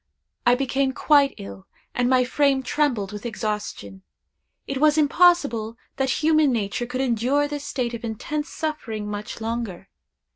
I became quite ill, and my frame trembled with exhaustion. It was impossible that human nature could endure this state of intense suffering much longer.